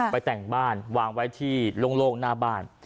แต่งบ้านวางไว้ที่โล่งหน้าบ้าน